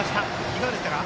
いかがでしたか？